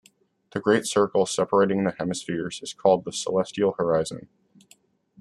The great circle separating the hemispheres is called the celestial horizon.